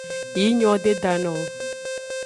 Yi nyo de da no o.